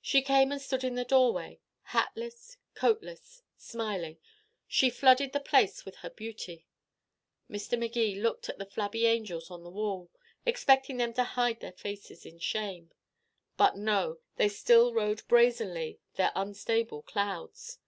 She came and stood in the doorway. Hatless, coatless, smiling, she flooded the place with her beauty. Mr. Magee looked at the flabby angels on the wall, expecting them to hide their faces in shame. But no, they still rode brazenly their unstable clouds.